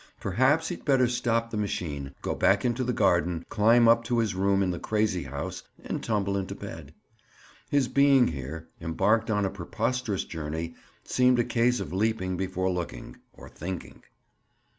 Perhaps he'd better stop the machine, go back into the garden, climb up to his room in the crazy house and tumble into bed? His being here, embarked on a preposterous journey, seemed a case of leaping before looking, or thinking.